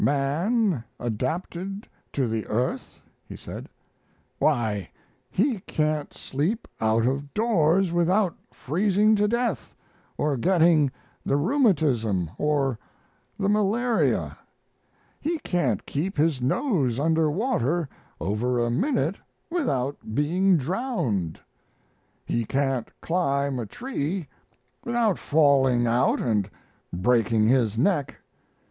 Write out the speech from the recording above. "Man adapted to the earth?" he said. "Why, he can't sleep out of doors without freezing to death or getting the rheumatism or the malaria; he can't keep his nose under water over a minute without being drowned; he can't climb a tree without falling out and breaking his neck.